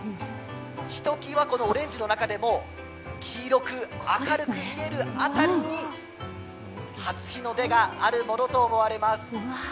ひときわオレンジの中でも黄色く明るく見える辺りに初日の出があるものと思われます。